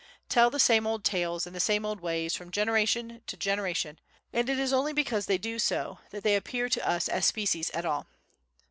tell the same old tales in the same old ways from generation to generation, and it is only because they do so that they appear to us as species at all.